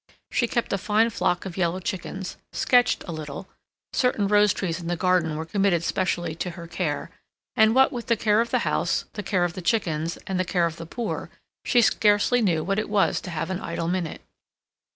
She kept a fine flock of yellow chickens, sketched a little, certain rose trees in the garden were committed specially to her care; and what with the care of the house, the care of the chickens, and the care of the poor, she scarcely knew what it was to have an idle minute.